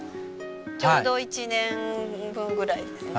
ちょうど１年分ぐらいですね。